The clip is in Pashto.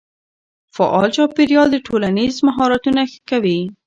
فعال چاپېريال ټولنیز مهارتونه ښه کوي.